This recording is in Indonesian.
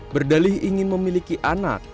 berdalih ingin memiliki anak